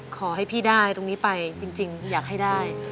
ขอให้พี่ได้ตรงนี้ไปจริงอยากให้ได้